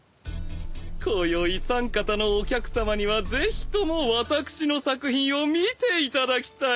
こよい三方のお客さまにはぜひとも私の作品を見ていただきたい。